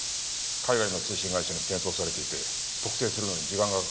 海外の通信会社に転送されていて特定するのに時間がかかる。